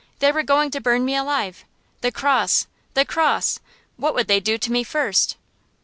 They were going to burn me alive. The cross the cross! What would they do to me first?